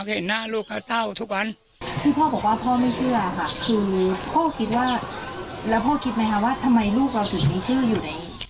ว่าทำไมลูกเราสุดมีเชื่ออยู่ในนี้